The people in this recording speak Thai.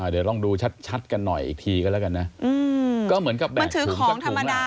เดี๋ยวลองดูชัดกันหน่อยอีกทีก็แล้วกันนะก็เหมือนกับแบกถุงสักถุงล่ะ